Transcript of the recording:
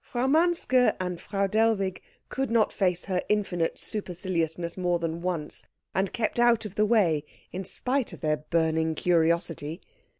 Frau Manske and Frau Dellwig could not face her infinite superciliousness more than once, and kept out of the way in spite of their burning curiosity.